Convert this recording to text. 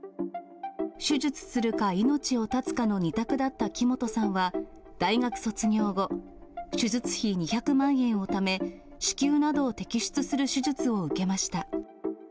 手術するか、命を絶つかの２択だった木本さんは、大学卒業後、手術費２００万円をため、子宮などを摘出する手術を受けました。